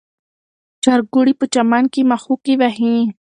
چرګوړي په چمن کې مښوکې وهي.